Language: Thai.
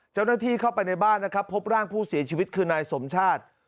เจ้าหน้าที่เข้าไปในบ้านนะครับพบร่างผู้เสียชีวิตคือนายสมชาติ